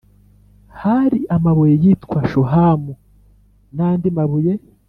Hari amabuye yitwa shohamu n’andi mabuye.